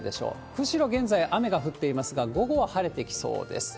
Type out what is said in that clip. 釧路、現在雨が降っていますが、午後は晴れてきそうです。